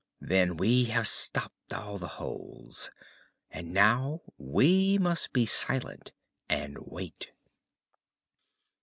"Then we have stopped all the holes. And now we must be silent and wait."